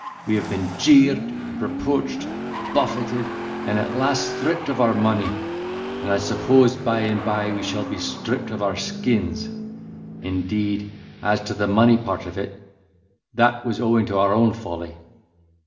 We have been jeered, reproached, buffeted, and at last stript of our money; and I suppose by and bye we shall be stript of our skins. Indeed as to the money part of it, that was owing to our own folly.